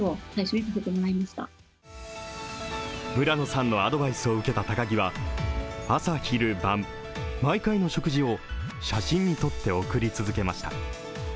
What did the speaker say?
村野さんのアドバイスを受けた高木は、朝、昼、晩毎回の食事を写真に撮って送り続けました。